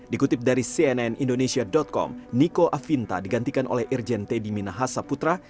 dikutip dari cnn indonesia com niko afinta digantikan oleh irjen teddy minahasa putra